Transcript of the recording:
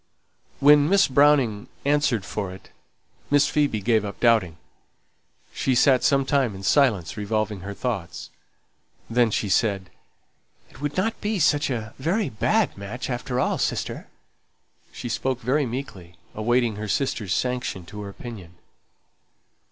When Miss Browning "answered for it" Miss Phoebe gave up doubting. She sate some time in silence revolving her thoughts. Then she said: "It wouldn't be such a very bad match after all, sister." She spoke very meekly, awaiting her sister's sanction to her opinion.